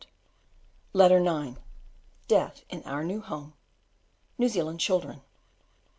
Letter IX: Death in our new home New Zealand children.